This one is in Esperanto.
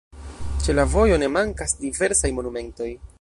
Ĉe la vojo ne mankas diversaj monumentoj.